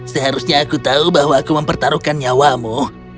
seharusnya aku tahu bahwa aku mempertaruhkan nyawamu